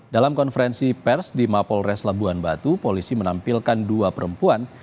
dalam konferensi pers di mapolres labuan batu polisi menampilkan dua perempuan